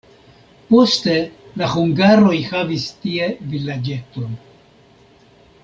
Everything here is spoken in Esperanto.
Poste la hungaroj havis tie vilaĝeton.